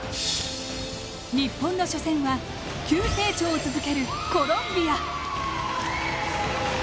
日本の初戦は急成長を続けるコロンビア。